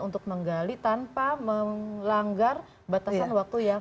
untuk menggali tanpa melanggar batasan waktu yang alokasi waktu yang ini